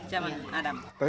jadi memang zaman adam